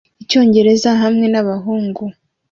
Icyongereza hamwe nabahungu